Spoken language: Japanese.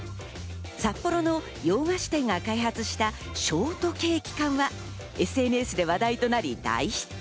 札幌の洋菓子店が開発したショートケーキ缶はＳＮＳで話題となり大ヒット。